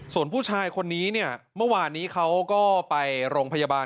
ส่วนผู้ชายคนนี้เนี่ยเมื่อวานนี้เขาก็ไปโรงพยาบาล